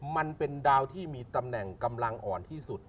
มันเป็นดาวที่มีตำแหน่งกำลังอ่อนที่สุด